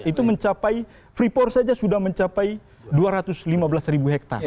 itu mencapai freeport saja sudah mencapai dua ratus lima belas ribu hektare